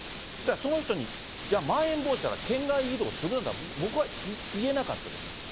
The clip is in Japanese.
じゃあ、その人に、まん延防止だから県内移動するなとは、僕は言えなかったです。